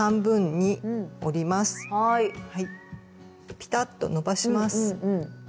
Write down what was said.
ピタッとのばします。